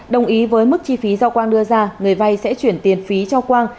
đồng ý với mức chi phí do quang đưa ra người vay sẽ chuyển tiền phí cho quang